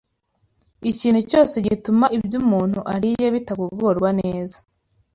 Ikintu cyose gituma ibyo umuntu ariye bitagogorwa neza